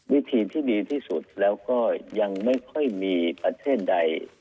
วิธีที่ดีที่สุดแล้วก็ยังไม่ค่อยมีประเทศใด